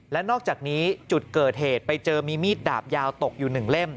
และนอกจากนี้จุดเกิดเหตุไปเจอมีมีดดาบยาวตกอยู่๑เล่ม